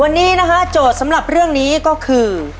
วันนี้นะฮะโจทย์สำหรับเรื่องนี้ก็คือ